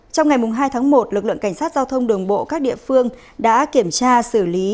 trong ngày hai tháng một lực lượng cảnh sát giao thông đường bộ các địa phương đã kiểm tra xử lý